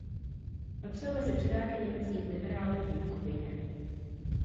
Patřil mezi předáky německých liberálů v Bukovině.